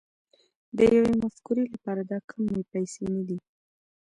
د يوې مفکورې لپاره دا کمې پيسې نه دي